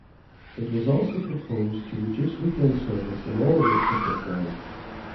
It was also proposed to reduce weekend service on all routes of this line.